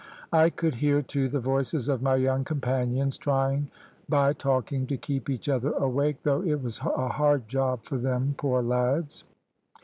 I could hear, too, the voices of my young companions, trying by talking to keep each other awake, though it was a hard job for them, poor lads.